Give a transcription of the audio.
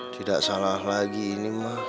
tidak salah lagi ini mah